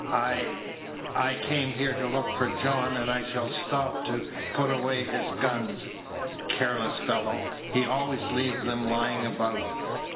I I came here to look for John, and I shall stop to put away his guns. Careless fellow he always leaves them lying about."